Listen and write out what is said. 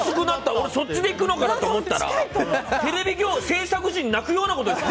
俺、そっちでいくのかなと思ったらテレビ制作陣泣くようなこと言って。